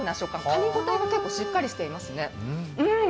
かみ応えが結構しっかりしてますね。